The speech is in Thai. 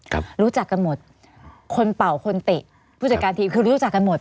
รู้จักกันหมดคนเป่าคนเตะผู้จัดการทีมคือรู้จักกันหมด